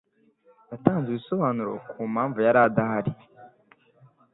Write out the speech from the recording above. Yatanze ibisobanuro ku mpamvu yari adahari.